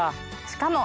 しかも。